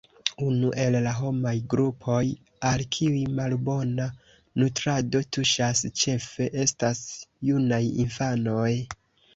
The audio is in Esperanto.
Unu el la homaj grupoj al kiuj malbona nutrado tuŝas ĉefe estas junaj infanoj.